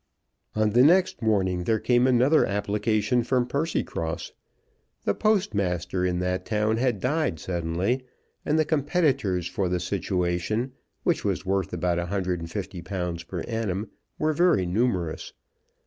On the next morning there came another application from Percycross. The postmaster in that town had died suddenly, and the competitors for the situation, which was worth about £150 per annum, were very numerous.